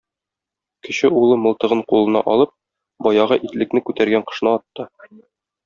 Кече улы мылтыгын кулына алып, баягы итлекне күтәргән кошны атты.